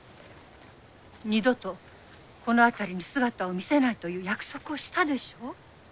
二度とこの辺りに姿を見せないという約束をしたでしょ。